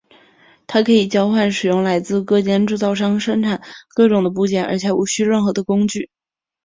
它可以交换使用来自各间制造商生产各种的部件而且无需任何的工具。